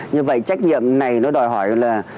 như vậy trách nhiệm này nó đòi hỏi là